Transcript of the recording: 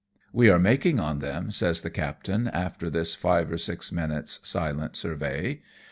" We are making on them," says the captain, after this five or six minutes' silent survey.